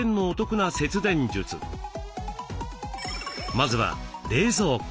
まずは冷蔵庫。